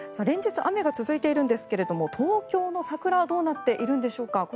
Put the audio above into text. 連日雨が続いているんですが東京の桜はどうなっているんでしょうか。